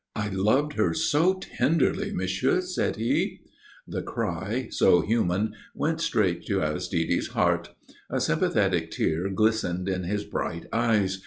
"I loved her so tenderly, monsieur," said he. The cry, so human, went straight to Aristide's heart. A sympathetic tear glistened in his bright eyes.